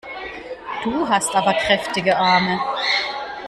Du hast aber kräftige Arme!